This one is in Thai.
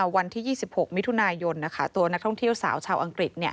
วันที่๒๖มิถุนายนตัวนักท่องเที่ยวสาวชาวอังกฤษ